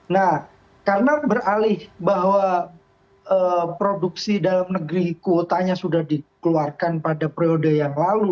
nah karena beralih bahwa produksi dalam negeri kuotanya sudah dikeluarkan pada periode yang lalu